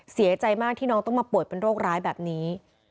เสียใจมากที่น้องต้องมาป่วยเป็นโรคร้ายแบบนี้